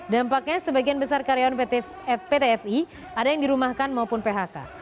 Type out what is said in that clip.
dampaknya sebagian besar karyawan pt fi ada yang dirumahkan maupun phk